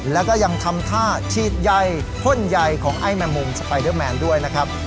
แล้วก็ยังทำท่าฉีดใยพ่นใยของไอ้แมงมุมสไปเดอร์แมนด้วยนะครับ